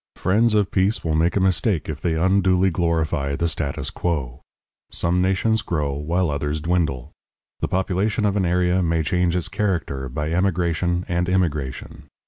Friends of peace will make a mistake if they unduly glorify the status quo. Some nations grow, while others dwindle; the population of an area may change its character by emigration and immigration.